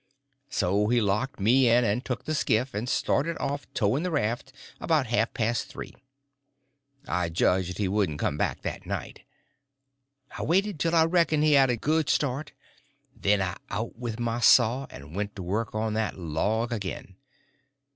So he locked me in and took the skiff, and started off towing the raft about half past three. I judged he wouldn't come back that night. I waited till I reckoned he had got a good start; then I out with my saw, and went to work on that log again.